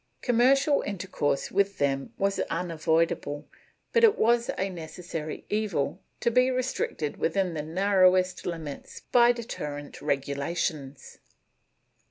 Commercial intercourse with them was unavoidable, but it was a necessary evil, to be restricted within the narrowest limits by deterrent regu lations.